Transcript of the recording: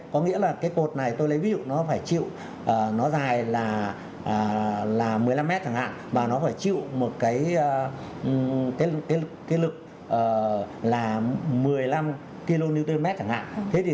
có lẽ là rất là cảm ơn những chia sẻ